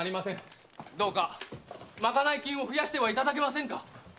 どうか賄い金を増やしてはいただけませんか